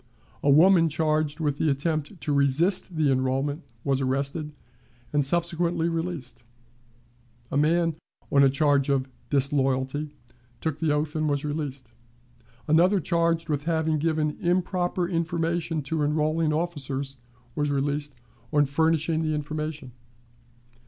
A woman charged with the attempt to resist the enrollment was arrested, and subsequently released. A man, on a charge of "disloyalty," took the oath, and was released. Another, charged with having given improper information to enrolling officers, was released on furnishing the information.